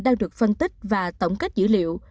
đang được phân tích và tổng kết dữ liệu